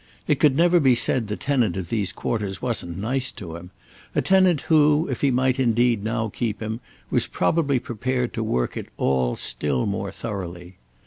It could never be said the tenant of these quarters wasn't nice to him; a tenant who, if he might indeed now keep him, was probably prepared to work it all still more thoroughly.